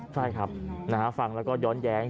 ใช่ครับฟังแล้วก็ย้อนแย้ง